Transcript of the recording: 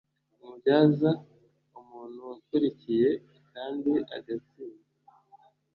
umubyaza umuntu wakurikiye kandi agatsinda